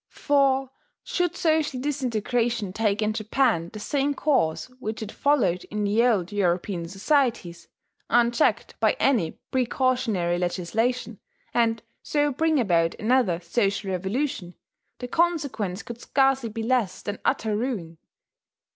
For should social disintegration take in Japan the same course which it followed in the old European societies, unchecked by any precautionary legislation, and so bring about another social revolution, the consequence could scarcely be less than utter ruin.